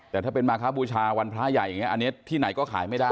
แต่ถ้าเป็นมาครับบูชาวันพระใหญ่อย่างนี้อันนี้ที่ไหนก็ขายไม่ได้